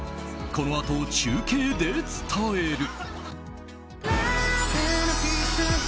このあと中継で伝える。